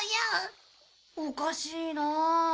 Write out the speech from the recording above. おかしいなあ。